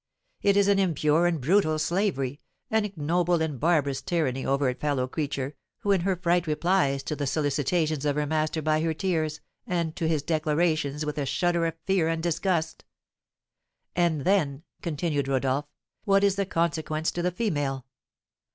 It is an impure and brutal slavery, an ignoble and barbarous tyranny over a fellow creature, who in her fright replies to the solicitations of her master by her tears, and to his declarations with a shudder of fear and disgust. And then," continued Rodolph, "what is the consequence to the female?